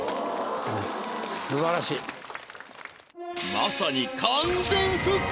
まさに完全復活